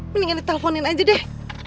mendingan ditelponin aja deh